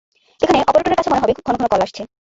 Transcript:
এখানে অপারেটরের কাছে মনে হবে খুব ঘন ঘন কল আসছে।